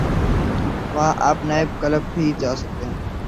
وہاں آپ night club بھی جا سکتے ہیں۔